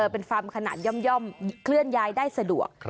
เป็นฟาร์มขนาดย่อมเคลื่อนย้ายได้สะดวก